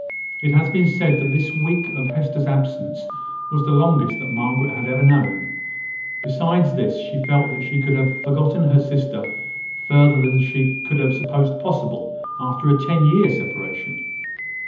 It has been said that this week of Hester's absence was the longest that Margaret had ever known. Besides this, she felt that she had forgotten her sister further than she could have supposed possible after a ten years' separation.